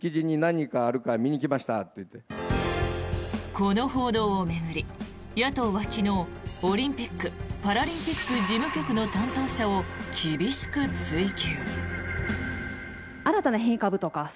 この報道を巡り野党は昨日オリンピック・パラリンピック事務局の担当者を厳しく追及。